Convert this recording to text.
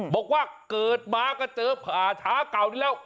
บอกว่าเกิดมาก็เจอผ่าช้าเก่านี้แล้ว